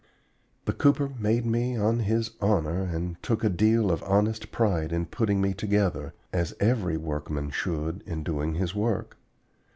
The cooper made me on his honor and took a deal of honest pride in putting me together, as every workman should in doing his work.